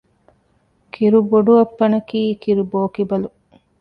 ކިރުބޮޑުއައްޕަނަކީ ކިރުބޯކިބަލު